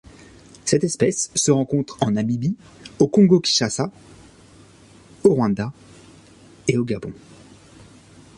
Cette espèce se rencontre en Namibie, au Congo-Kinshasa, au Rwanda et au Gabon.